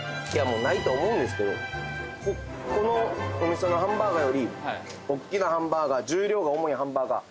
もうないと思うんですけどこのお店のハンバーガーよりおっきなハンバーガー重量が重いハンバーガー